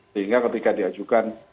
sehingga ketika diajukan